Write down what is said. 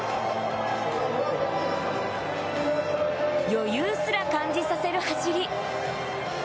余裕すら感じさせる走り。